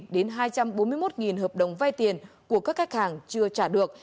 một trăm bốn mươi một đến hai trăm bốn mươi một hợp đồng vay tiền của các khách hàng chưa trả được